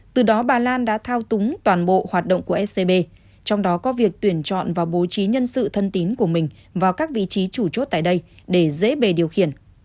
từ đó bà lan đã thao túng toàn bộ hoạt động của scb trong đó có việc tuyển chọn và bố trí nhân sự thân tín của mình vào các vị trí chủ chốt tại đây để dễ bề điều khiển